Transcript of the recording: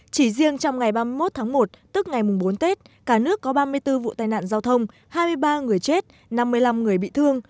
chỉ riêng trong ngày ba mươi một tháng một tức ngày bốn tết cả nước có ba mươi bốn vụ tai nạn giao thông hai mươi ba người chết năm mươi năm người bị thương